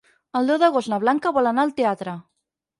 El deu d'agost na Blanca vol anar al teatre.